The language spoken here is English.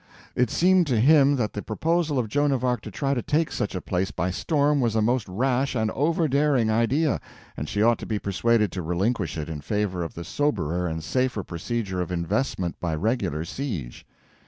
It seemed to him that the proposal of Joan of Arc to try to take such a place by storm was a most rash and over daring idea, and she ought to be persuaded to relinquish it in favor of the soberer and safer procedure of investment by regular siege.